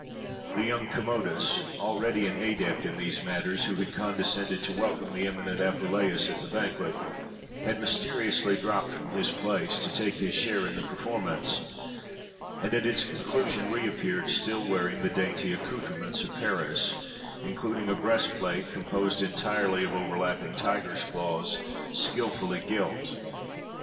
The young Commodus, already an adept in these matters, who had condescended to welcome the eminent Apuleius at the banquet, had mysteriously dropped from his place to take his share in the performance; and at its conclusion reappeared, still wearing the dainty accoutrements of Paris, including a breastplate, composed entirely of overlapping tigers' claws, skilfully gilt.